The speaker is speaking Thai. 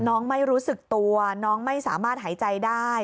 ไม่รู้สึกตัวน้องไม่สามารถหายใจได้